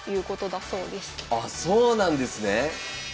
あそうなんですね。